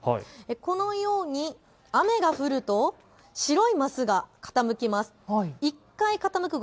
このように雨が降ると白いますが傾きます。